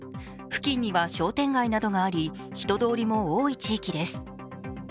付近には商店街などがあり、人通りも多い地域です。